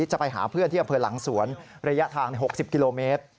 จะไปหาเพื่อนที่อำเภอหลังสวนระยะทาง๖๐กิโลเมตร